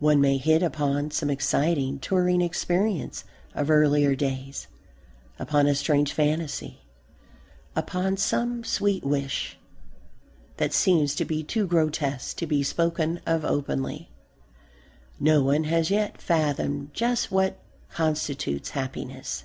One may hit upon some exciting touring experience of earlier days, upon a strange fantasy, upon some sweet wish that seems to be too grotesque to be spoken of openly. No one has yet fathomed just what constitutes happiness.